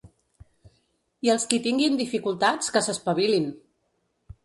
I els qui tinguin dificultats, que s’espavilin!